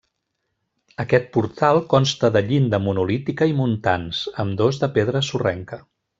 Aquest portal consta de llinda monolítica i muntants, ambdós de pedra sorrenca.